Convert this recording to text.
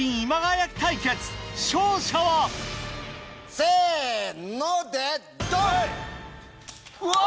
せのでドン！